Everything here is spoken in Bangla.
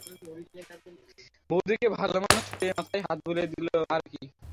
বৌদিকে ভালোমানুষ পেয়ে মাথায় হাত বুলিয়ে নিলে আর কি!